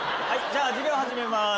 じゃあ授業始めます。